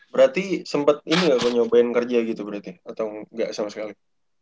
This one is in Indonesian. berarti sempet ini gak gue nyobain kerja gitu berarti atau gak sama sekali